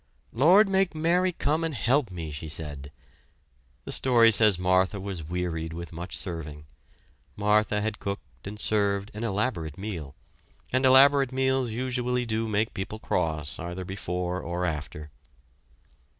"Lord, make Mary come and help me!" she said. The story says Martha was wearied with much serving. Martha had cooked and served an elaborate meal, and elaborate meals usually do make people cross either before or after.